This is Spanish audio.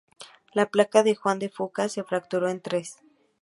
La placa de Juan de Fuca se fracturó en tres.